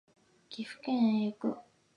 岐阜県へ行く